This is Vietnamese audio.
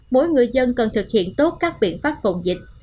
mỗi người dân cần thực hiện tốt các biện pháp phòng dịch